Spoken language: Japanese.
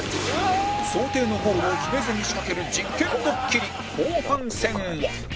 想定のゴールを決めずに仕掛ける実験ドッキリ後半戦は